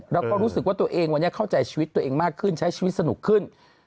แล้วก็รู้สึกว่าตัวเองวันนี้เข้าใจชีวิตตัวเองมากขึ้นใช้ชีวิตสนุกขึ้น